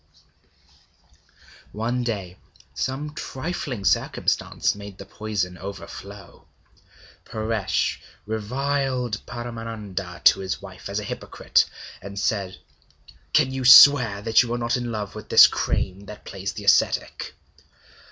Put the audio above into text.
One day some trifling circumstance made the poison overflow. Paresh reviled Paramananda to his wife as a hypocrite, and said: 'Can you swear that you are not in love with this crane that plays the ascetic?'